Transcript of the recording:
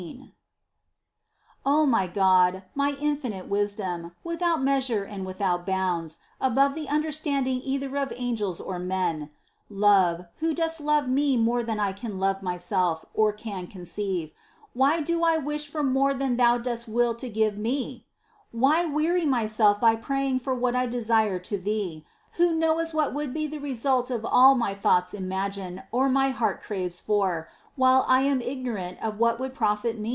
^ I. O my God, my infinite Wisdom, without measure and without bounds, above the understanding either of angels or men ; Love, Who dost loVe me more than I can love myself, or can conceive : why do I wish for more than Thou dost will to give me ? Why weary myself by praying for what I desire to Thee, Who knowest what would be the result of all my thoughts imagine or my heart craves for, while I am ignorant of what would profit me ? i 5 I Cor. vi. 17:, Qui adhcsret Deo, unus spiritus est.